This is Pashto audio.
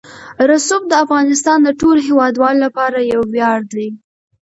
رسوب د افغانستان د ټولو هیوادوالو لپاره یو ویاړ دی.